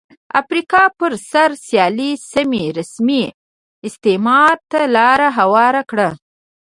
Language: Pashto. افریقا پر سر سیالۍ سیمې رسمي استعمار ته لار هواره کړه.